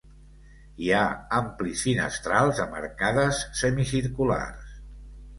Hi ha amplis finestrals amb arcades semicirculars.